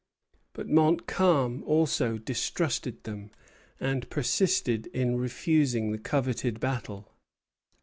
But Montcalm also distrusted them, and persisted in refusing the coveted battle.